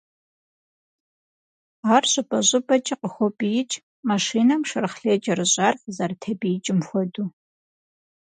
Ар щӏыпӏэ-щӏыпӏэкӏэ «къыхопӏиикӏ», машинэм шэрхъ лей кӏэрыщӏар къызэрытепӏиикӏым хуэдэу.